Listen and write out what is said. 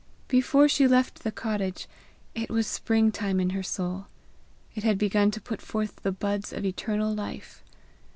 Before she left the cottage, it was spring time in her soul; it had begun to put forth the buds of eternal life.